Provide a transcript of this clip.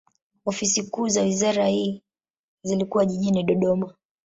Ofisi kuu za wizara hii zilikuwa jijini Dodoma.